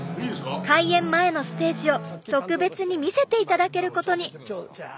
開演前のステージを特別に見せて頂けることに！